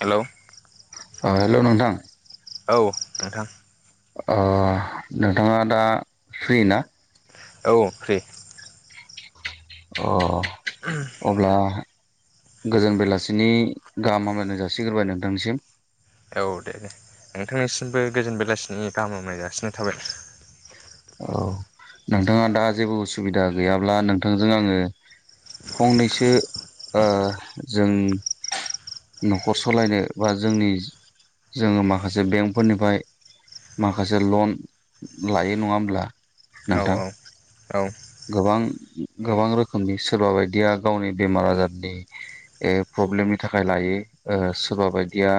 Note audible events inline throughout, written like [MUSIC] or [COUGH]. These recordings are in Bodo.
हेल' अ हेल' नोंथां औ नोंथां ओ नोंथाङा दा फ्रि ना औ फ्रि [INAUDIBLE] अ अब्ला गोजोन बेलासिनि गाहाम हामलायनाय जासिग्रोबाय नोंथांनिसिम औ दे दे नोंथांनिसिमबो गोजोन बेलासिनि गाहाम हामलाय जासिनाय थाबाय औ नोंथाङा दा जेबो उसुबिदा गैयाब्ला नोंथांजों आङो फंनैसो ओ जों न'खर सालायनो बा जोंनि जोङो माखासे बेंकफोरनिफ्राय माखासे लन लायो नङाहोम ब्ला औ औ गोबां गोबां रोखोमनि सोरबा बायदिया गावनि बेमार आजारनि ए प्रब्लेमनि थाखाय लायो सोरबा बायदिया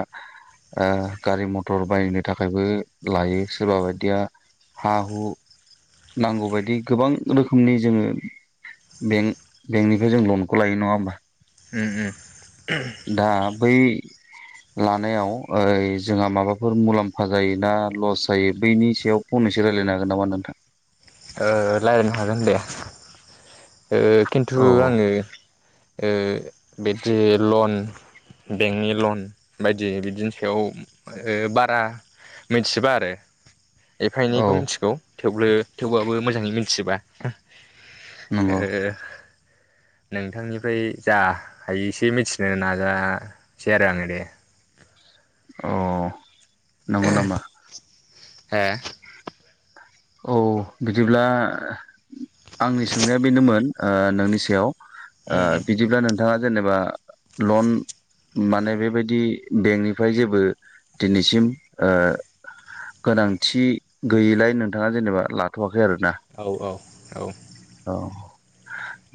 गारि मथर बायनो थाखायबो लायो सोरबा बायदिया हा हु नांगौबायायदि गोबां रोखोमनि जोङो बेंक बेंकनिफ्राय जों लनखौ लायो नङा होमबा उम उम दा बै लानायाव ओइ जोंहा माबाफोर मुलाम्फा जायो ना लस जायो बैनि सायाव फंनैसो रायजलायनो हागोन नामा नोंथां ओ लायिन हागोन दे ओ किन्थु औ आङो ओ बेबदि लन बेंकनि लन बायदि बिदिनि सायाव ओ बारा मिथिजोबा आरो एफा औ एनैखौ मिथिगौ थेवबो थेवबाबो मोजाङै मोनथिजोबा नंग' नोंथांनिफ्राय जा हायो एसे मिथिनो नाजासै आरो आङो दे। अ नंगौ नामा? ए औ बिदिब्ला आंनि सोंनाया बेनोमोन ओ नोंनि सायाव ओ उम उम बिदिबा नों थाङा जेनेबा लन माने बेबायदि बेंकनिफ्राय जेबो दिनैसिम ओ गोनांथि गैयिलाय नों थाङा जेनेबा लाथ'वा खै आरोना औ औ औ औ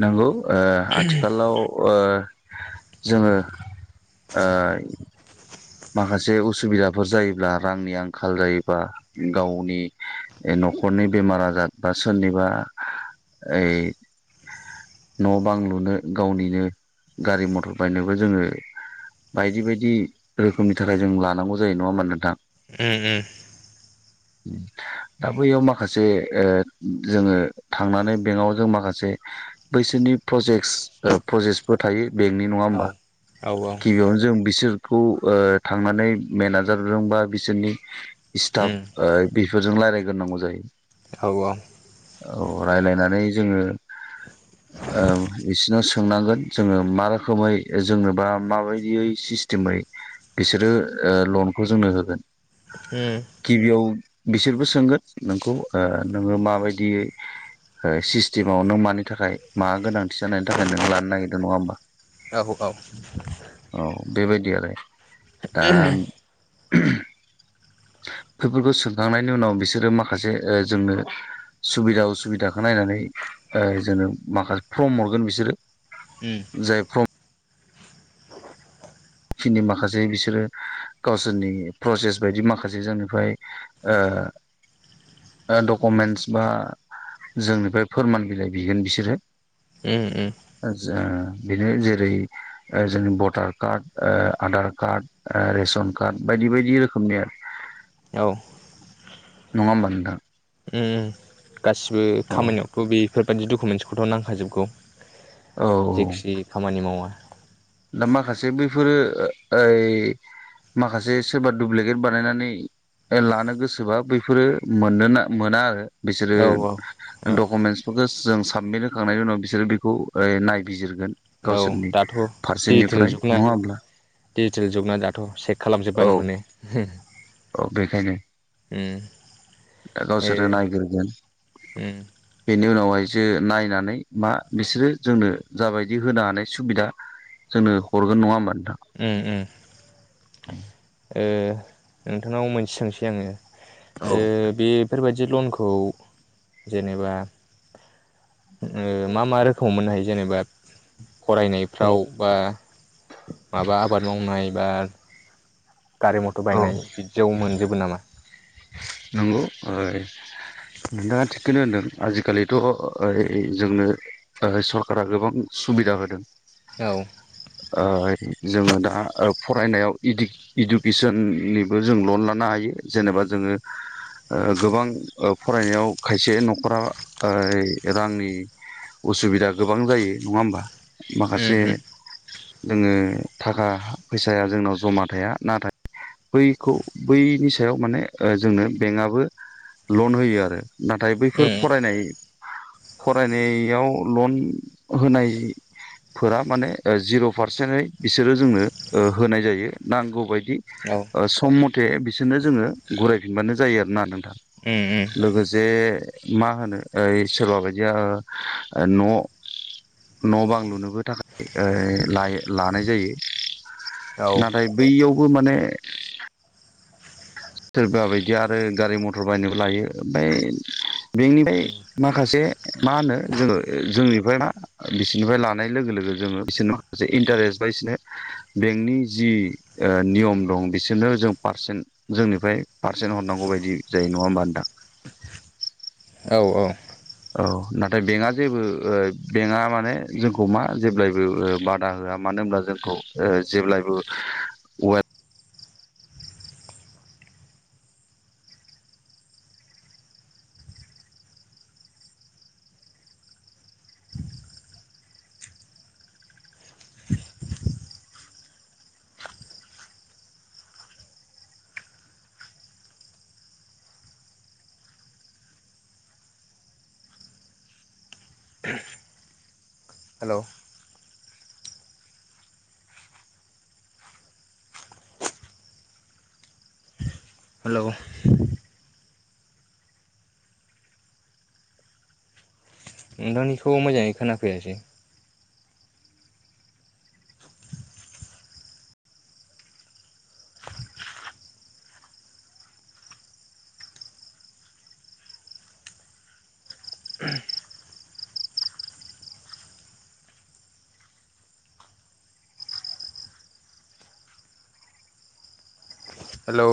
नोंगौ ओ आथिखालाव ओ जोङो ओ माखासे उसुबिदाफोर जायोब्ला रांनि आंखाल जायोबा गावनि न'खरनि बेमार आजार बा सोरनिबा ओइ न' बां लुनो गावनिनो गारि मथर बायनोबो जोङो बायदि बायदि रोखोमनि थाखाय जों लानांगौ जायो नङा होमबा नोंथां? उम उम दा बैयाव माखासे ओ जोङो थांनानै बेंकआव जों माखासे बैसोरनि प्रजेक्टस प्रजेसफोर थायो। बेंकनि नङा होमबा औ औ गिबियावनो जों बिसोर खौ ओ थांनानै मेनेजारजों बा बिसोरनि स्टाफ उम ओ बेफोरजों लायराय गोरनांगौ औ जायो। औ रायलायनानै जोङो ओ बिसिनाव सोंनांगोन जोङो मा रोखोमै जोंनो बा माबायदियै सिस्टेमै बिसोरो लनखौ जोंनो होगोन। उम गिबियाव बिसोरबो सोंगोन नोंखौ ओ नोङो माबायदियै ओ सिस्टेमाव नों मानि थाखाय मा गोनां थि जानायनि थाखाय नों लानो नागिरदों नङा होनबा? औ उम औ बेबायदि दि आरो। दा [UNINTELLIGIBLE] बेफोरखौ सोंखांनायनि उनाव बिसोरो माखासे जोंनो सुबिदा उसुबिदाखौ नायनानै ओ जोंनो माखासे फर्म हरगोन बिसोरो। जाय फ्रम [INAUDIBLE] खिनि माखासे बिसोरो गावसोरनि प्रसेस बायदि माखासे जोंनिफ्राय ओ डकुमेन्टस बा जोंनिफ्राय फोरमान बिलाइ बिगोन बिसोरो उम आदसा बेनो जेरै ओ जोंनि भटार कार्ड ओ आधार कार्ड ओ रेसन कार्ड बायदि बायदि रोखोमनि आरो औ नङा होनबा नोंथां ओम गासिबो औ खामानियावथ' बे बेफोरबायदि डकुमेन्टसखौथ' नांखाजोबगौ औ जेखि खामानि मावा दा माखासे बैफोरो ओइ माखासे सोरबा दुुब्लिकेट बानायनानै लानो गोसोबा बैफोरो मोनोना मोना आरो बिसोरो औ औ औ डकुमेन्टसफोरखौ जों साबमिट होखांनायनि उनाव बिसोरो बेखौ नायबिजिरगोन औ गावसोरनि दाथ' फारसेनिफ्राय दिडिजिटेल जुगना नङा होमब्ला डिजिटेल जुगना दाथ' सेक औ बोबानो मोनो औ बेखायनो उम दा गावसोरो ए नायग्रोगोन उम बेनि उनावहायसो नायनानै मा बिसोरो जोंनो जाबायदि होनो हानाय सुबिदा जोंनो हरगोन नङा होमबा नोंथां उम उम ओ नोंथांनाव मोनसे सोंसै आङो ओ बेफोरबायदि जि लनखौ जेनेबा ओ मा मा रोखोमाव मोननो हायो जेनेबा फरायनायफ्राव बा माबा आबाद मावनाय बा गारि मथर बायनाय बिदियाव मोनजोबो नामा नंगौ ओ नोंथाङा थिगखौनो होनदों आजिखालिथ' ओ जोंनो सरखारा गोबां सुबिदा होदों औ ओ जोङो दा ओ फरायनायाव इडु-इडुकेसननिबो जों लन लानो हायो जेनेबा जोङो ओ गोबां फरायनायाव ओ खायसे न'खरा ओ रांनि उसुबिदा गोबां जायो नङा होमबा उम माखासे उम जोङो थाखा फैसाया जोंनाव जमा थाया नाथाय बैखौ बैनि सायाव माने जोंनो बेंकआबो लन होयो आरो नाथाय उम बैफोर फरायनाय फरायनायावल होनायफोरा माने ओ जिर' पारसेन्टै बिसोरो जोंनो होनाय जायो नांगौ बायदि औ उम सम मथे बिसोरनो जोङो गुरायफिनबानो जायो आरोना लोगोसे मा होनो ओ सोरबा बायदिया न' न' बां लुनोबो थाख ओ लायो लानाय जायो। नाथाय बै [UNINTELLIGIBLE] माने सोरबा बायदिया आरो गारि मथर बायनोबो लायो ओमफ्राय बेंकनिफ्राय उम माखासे मा होनो जोङो [UNINTELLIGIBLE] ना बिसोरनिफ्राय लानाय लोगो लोगो जोङो बिसोरनि माखासे इन्टारेस्ट बा बिसोरनो बेंकनि जि ओ‌ नियम दं बिसोरनो जों पारसेन्ट जोंनिफ्राय पारसेन्ट हरनांगौ बायदि जायो नङा होमबा नोंथां? औ औ। औ नाथाय बेंकआ जेबो ओ बेंकआ माने जोंखौ मा जेब्लायबो ओ बादा होआ मानो होनब्ला जोंखौ ओ जेब्लायबो [UNINTELLIGIBLE] हेलौ हेलौ। नोंथांनिखौ मोजाङै खोनाफैयासै। हेलौ।